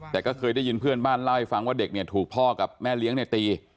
แต่ก็เคยได้ยินเพื่อนบ้านเล่าให้ฟังว่าเด็กเนี่ยถูกพ่อกับแม่เลี้ยงเนี่ยตี